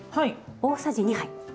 大さじ２杯。